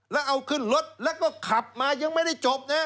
แล้วเอาขึ้นรถแล้วก็ขับมายังไม่ได้จบนะ